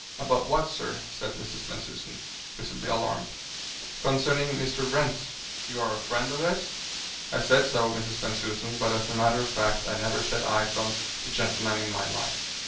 "About what, sir?" said Mrs. Bensusan, visibly alarmed. "Concerning Mr. Wrent." "You are a friend of his?" "I said so, Mrs. Bensusan, but as a matter of fact I never set eyes on the gentleman in my life."